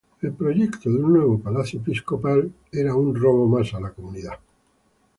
El proyecto de un nuevo Palacio Episcopal se unía a las obras emprendidas.